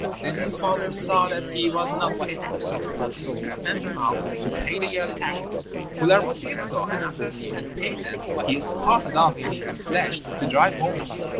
Then his father saw that he was not fit for such work, so he sent him off to pay the yearly taxes. Kullervo did so, and after he had paid them he started off in his sledge to drive home again.